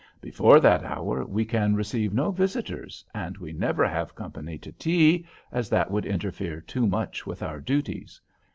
Before that hour we can receive no visitors, and we never have company to tea, as that would interfere too much with our duties.